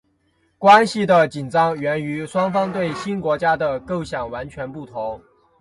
关系的紧张源于双方对新国家的构想完全不同。